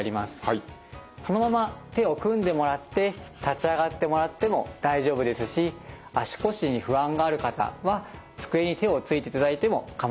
そのまま手を組んでもらって立ち上がってもらっても大丈夫ですし足腰に不安がある方は机に手をついていただいても構いません。